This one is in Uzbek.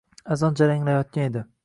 Azon jaranglayotgan edi